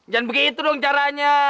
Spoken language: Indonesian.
jangan begitu dong caranya